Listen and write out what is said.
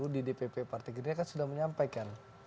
di dpp partai gerindra kan sudah menyampaikan